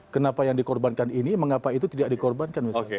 kenapa yang dikorbankan ini mengapa itu tidak dikorbankan misalnya